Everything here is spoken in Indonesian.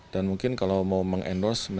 dan mungkin kalau mau mengendos